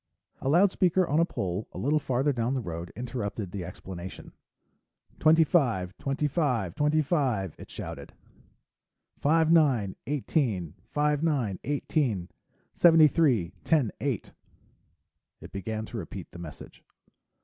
A loudspeaker on a pole a little farther down the road interrupted the explanation. "Twenty five, twenty five, twenty five," it shouted. "Five nine, eighteen. Five nine, eighteen. Seventy three, ten eight." It began to repeat the message.